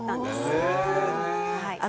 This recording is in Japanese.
へえ。